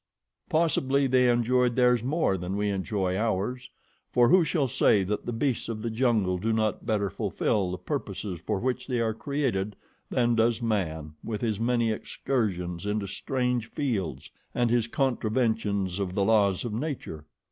Possibly they enjoyed theirs more than we enjoy ours, for who shall say that the beasts of the jungle do not better fulfill the purposes for which they are created than does man with his many excursions into strange fields and his contraventions of the laws of nature?